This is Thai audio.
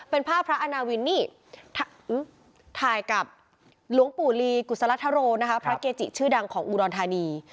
เป็นภาพพระอาณาวินนี่ถ่ายกับหลวงปู่ลีกุศลธโรนะคะพระเกจิชื่อดังของอุดรธานี